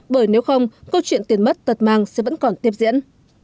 bởi nếu không câu chuyện tiền mất tật mang sẽ vẫn còn tiếp diễn